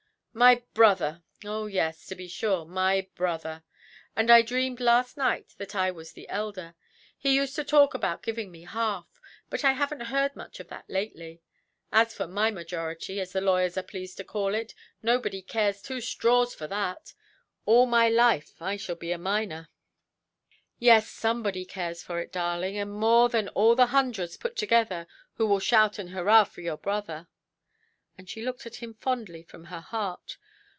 "My brother! oh yes, to be sure, my brother! And I dreamed last night that I was the elder. He used to talk about giving me half; but I havenʼt heard much of that lately. As for my majority, as the lawyers are pleased to call it, nobody cares two straws for that. All my life I shall be a minor". "Yes, somebody cares for it, darling; and more than all the hundreds put together who will shout and hurrah for your brother". And she looked at him fondly from her heart.